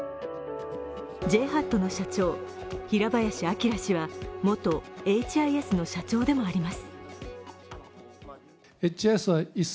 ＪＨＡＴの社長、平林朗氏は元エイチ・アイ・エスの社長でもあります。